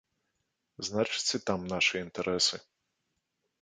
Значыць, і там нашы інтарэсы.